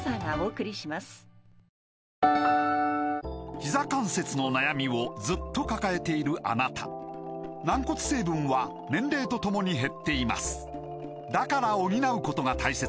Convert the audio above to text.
ひざ関節の悩みをずっと抱えているあなた軟骨成分は年齢とともに減っていますだから補うことが大切です